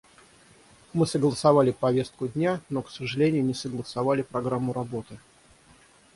Мы согласовали повестку дня, но, к сожалению, не согласовали программу работы.